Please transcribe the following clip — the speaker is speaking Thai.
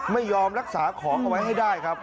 ไม่ยอมรักษาของเอาไว้ให้ได้ครับ